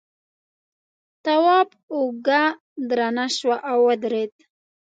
تواب اوږه درنه شوه او ودرېد.